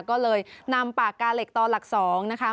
ก็เลยนำปากกาเหล็กต่อหลัก๒นะคะ